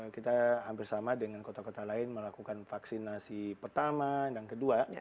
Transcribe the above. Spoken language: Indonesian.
kita hampir sama dengan kota kota lain melakukan vaksinasi pertama dan kedua